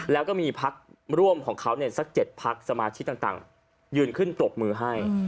แล้วก็มีพักร่วมของเขาสัก๗พักสมาชิกต่างยืนขึ้นปรบมือให้